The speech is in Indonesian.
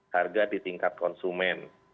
harga di tingkat konsumen